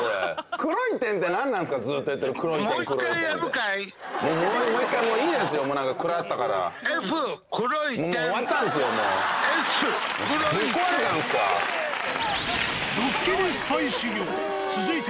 黒い点って何なんですか、ずっと言ってる黒い点、黒い点って。